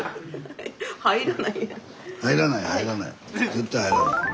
絶対入らない。